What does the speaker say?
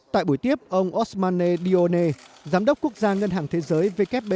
tại buổi tiếp ông osmane dione giám đốc quốc gia ngân hàng thế giới